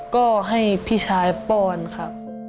ก็ให้พี่ชายป้อนครับ